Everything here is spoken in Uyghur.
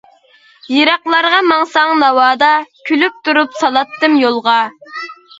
يىراقلارغا ماڭساڭ ناۋادا، كۈلۈپ تۇرۇپ سالاتتىم يولغا.